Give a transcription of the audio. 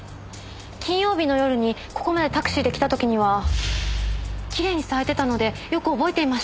金曜日の夜にここまでタクシーで来た時にはきれいに咲いてたのでよく覚えていました。